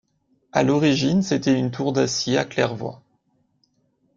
A l'origine c'était une tour d'acier à claire-voie.